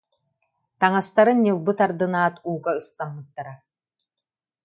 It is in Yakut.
Таҥас- тарын ньылбы тардынаат ууга ыстаммыттара